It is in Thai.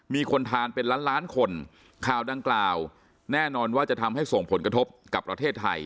มีคนทานเป็นล้านล้านคนข่าวดังกล่าวแน่นอนว่าจะทำให้ส่งผลกระทบกับประเทศไทย